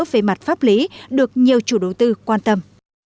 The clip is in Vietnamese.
về mặt pháp lý được nhiều chủ đối tư quan tâm